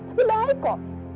tapi baik kok